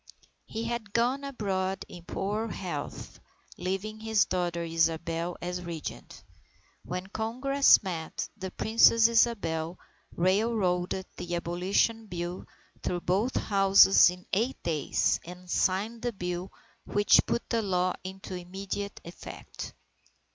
He had gone abroad in poor health, leaving his daughter Isabel as Regent. When Congress met, the Princess Isabel railroaded the Abolition Bill through both Houses in eight days, and signed the bill which put the law into immediate effect.